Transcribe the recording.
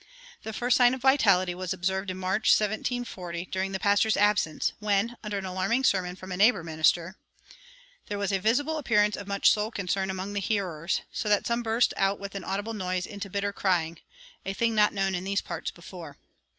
The first sign of vitality was observed in March, 1740, during the pastor's absence, when, under an alarming sermon from a neighbor minister: "There was a visible appearance of much soul concern among the hearers; so that some burst out with an audible noise into bitter crying, a thing not known in these parts before....